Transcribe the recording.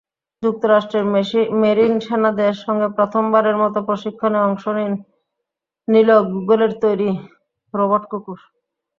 যুক্তরাষ্ট্রের মেরিন সেনাদের সঙ্গে প্রথমবারের মতো প্রশিক্ষণে অংশ নিল গুগলের তৈরি রোবট কুকুর।